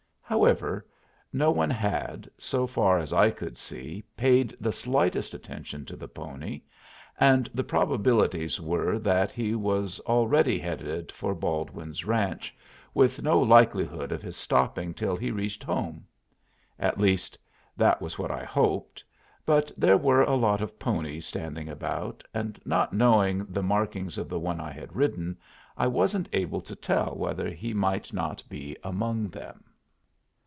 However, no one had, so far as I could see, paid the slightest attention to the pony, and the probabilities were that he was already headed for Baldwin's ranch, with no likelihood of his stopping till he reached home. At least that was what I hoped; but there were a lot of ponies standing about, and, not knowing the markings of the one I had ridden, I wasn't able to tell whether he might not be among them.